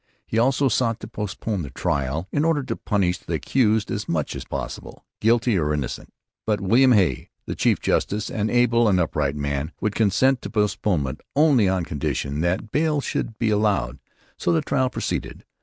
He also sought to postpone the trial in order to punish the accused as much as possible, guilty or innocent. But William Hey, the chief justice, an able and upright man, would consent to postponement only on condition that bail should be allowed; so the trial proceeded.